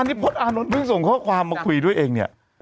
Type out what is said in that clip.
อันนี้พจน์อานนท์เพิ่งส่งข้อความมาคุยด้วยเองเนี่ย